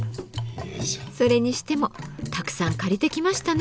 それにしてもたくさん借りてきましたね。